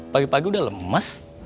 pagi pagi sudah lemes